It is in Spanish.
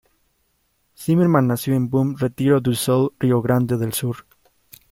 Zimmermann Nació en Bom Retiro do Sul, Río Grande del Sur.